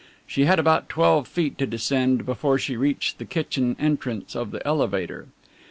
She had about twelve feet to descend before she reached the kitchen entrance of the elevator.